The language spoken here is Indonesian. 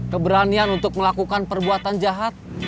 keberanian untuk melakukan perbuatan jahat